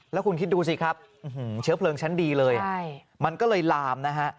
แล้วคุณคิดดูสิครับเชื้อเพลิงชั้นดีเลยมันก็เลยลามนะฮะ